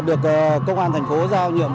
được công an thành phố giao nhiệm